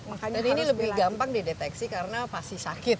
dan ini lebih gampang dideteksi karena pasti sakit